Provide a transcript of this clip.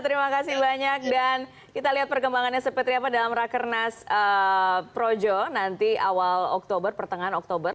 terima kasih banyak dan kita lihat perkembangannya seperti apa dalam rakernas projo nanti awal oktober pertengahan oktober